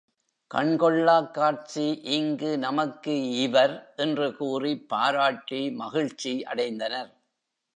கண் கொள்ளாக் காட்சி இங்கு நமக்கு இவர் என்று கூறிப் பாராட்டி மகிழ்ச்சி அடைந்தனர்.